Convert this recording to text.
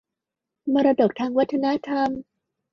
มรดกทางวัฒนธรรม